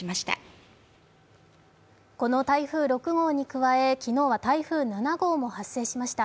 この台風６号に加え昨日は台風７号も発生しました。